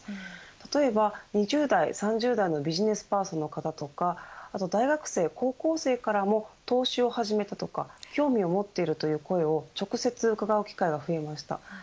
例えば、２０代、３０代のビジネスパーソンの方とか大学生、高校生からも投資を始めたとか興味を持っているという声を直接、伺う機会が増えました。